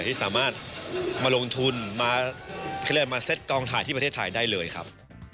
ที่สามารถมาลงทุนมาเขาเรียกมาเซ็ตกองถ่ายที่ประเทศไทยได้เลยครับ